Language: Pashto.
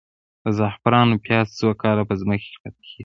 د زعفرانو پیاز څو کاله په ځمکه کې پاتې کیږي؟